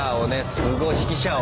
すごい指揮者を。